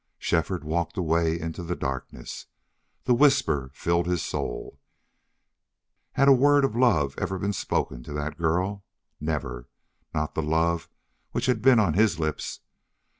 Shefford walked away into the darkness. The whisper filled his soul. Had a word of love ever been spoken to that girl? Never not the love which had been on his lips.